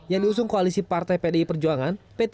yang diusung koalisi partai pdi perjuangan